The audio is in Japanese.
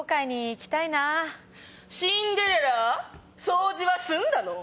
掃除は済んだの？